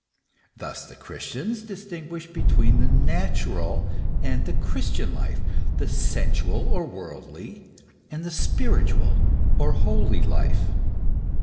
Thus the Christians dis tinguish between the natural and the Christian life, the sensual or worldly and the spiritual or holy life.